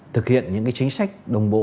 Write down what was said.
thực hiện những chính sách đồng bộ